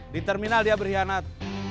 di terminal dia berkhianat